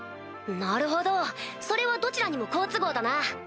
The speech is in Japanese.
なるほどそれはどちらにも好都合だな。